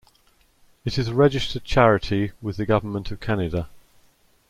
It is a registered charity with the Government of Canada.